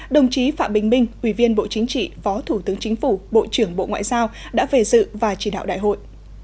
đồng chí phạm bình minh ủy viên bộ chính trị phó thủ tướng chính phủ bộ trưởng bộ ngoại giao đã về dự và chỉ đạo đại hội